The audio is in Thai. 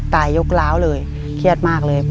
ยกร้าวเลยเครียดมากเลย